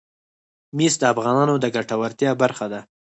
مس د افغانانو د ګټورتیا برخه ده.